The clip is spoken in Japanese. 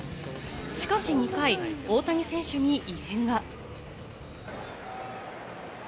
しかし２回、大谷選手に異変が。